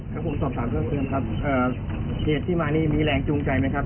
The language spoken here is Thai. ครับผมสอบถามเพิ่มเติมครับเหตุที่มานี่มีแรงจูงใจไหมครับ